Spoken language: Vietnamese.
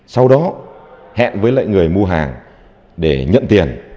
sau đó hẹn với lại người mua hàng để nhận tiền